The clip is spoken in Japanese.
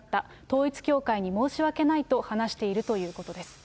統一教会に申し訳ないと話しているということです。